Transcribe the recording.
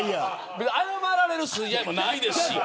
謝られる筋合いもないですし。